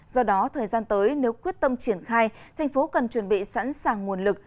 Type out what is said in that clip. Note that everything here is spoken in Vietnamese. do đó thời gian tới nếu quyết tâm triển khai tp hcm cần chuẩn bị sẵn sàng nguồn lực